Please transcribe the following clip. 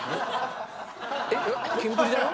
「えキンプリだよ。